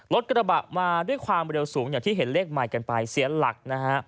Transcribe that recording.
รถกระบะมาด้วยความเร็วสูงอย่างที่เห็นเลขใหม่กันไปเสียหลักนะฮะ